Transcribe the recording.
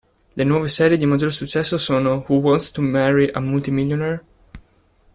Le nuove serie di maggiore successo sono: "Who Wants to Marry a Multi-Millionaire?